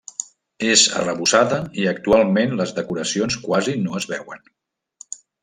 És arrebossada i actualment les decoracions quasi no es veuen.